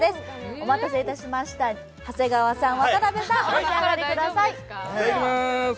お待たせいたしました、長谷川さん、渡辺さんお召し上がりください。